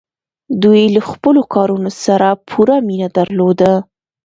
دوی له خپلو کارونو سره پوره مینه درلوده.